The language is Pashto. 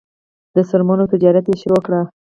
د څرمنو تجارت یې پیل کړ.